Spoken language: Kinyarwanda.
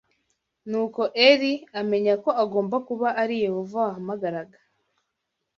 Nuko Eli amenya ko agomba kuba ari Yehova wahamagaraga.